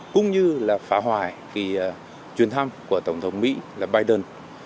cũng như là phá hoại chuyến thăm của tổng thống mỹ là biden